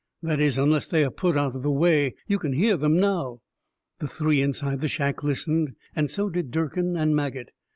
That is, until they are put out of the way. You can hear them now." The three inside the shack listened, and so did Durkin and Maget.